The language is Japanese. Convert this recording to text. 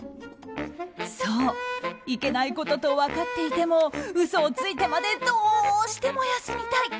そう、いけないことと分かっていても嘘をついてまでどうしても休みたい。